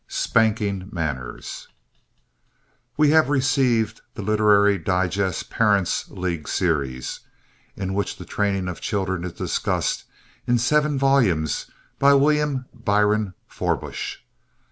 Spanking Manners We have received The Literary Digest Parents' League Series, in which the training of children is discussed in seven volumes by William Byron Forbush.